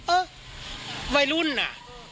เออวัยรุ่นน่ะ